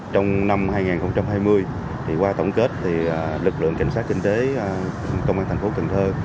trong năm hai nghìn hai mươi qua tổng kết lực lượng cảnh sát kinh tế công an thành phố cần thơ